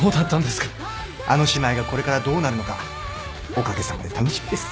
あの姉妹がこれからどうなるのかおかげさまで楽しみです。